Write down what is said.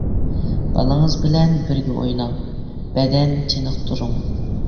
بالىڭىز بىلەن بىرگە ئويناڭ، بەدەن چېنىقتۇرۇڭ.